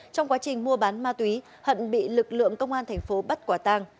trong quá trình mua bán ma túy hận bị lực lượng công an tp bắt quả tang